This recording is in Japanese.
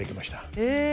へえ。